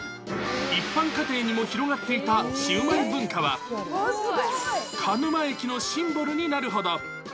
一般家庭にも広がっていたシウマイ文化は、鹿沼駅のシンボルになるほど。